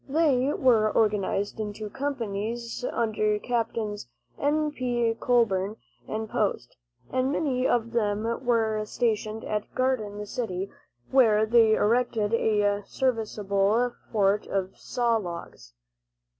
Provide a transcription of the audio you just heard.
They were organized into companies under Captains N. P. Colburn and Post, and many of them were stationed at Garden City, where they erected a serviceable fort of saw logs.